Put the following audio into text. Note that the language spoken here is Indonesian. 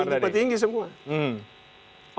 prof hamka ini udah kayak